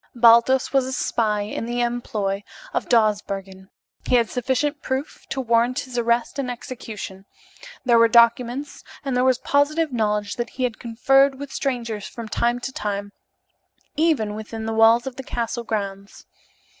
Baldos was a spy in the employ of Dawsbergen. He had sufficient proof to warrant his arrest and execution; there were documents, and there was positive knowledge that he had conferred with strangers from time to time, even within the walls of the castle grounds.